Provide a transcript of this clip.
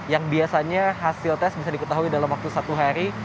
yang biasanya hasil tes bisa diketahui dalam waktu satu hari